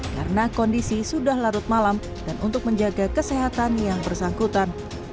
karena kondisi sudah larut malam dan untuk menjaga kesehatan yang bersangkutan